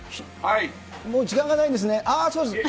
もう時間がないですね。